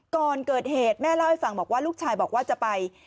ก่อนเกิดเหตุแม่เล่าให้ฟังบอกว่าลูกชายบอกว่าจะไป